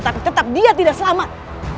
tapi tetap dia tidak selamat